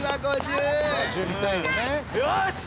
よし！